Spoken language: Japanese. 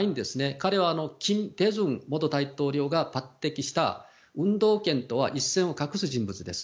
彼は金大中元大統領が抜擢したものとは一線を画す人物です。